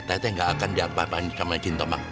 teteh gak akan diapa apain sama jintomang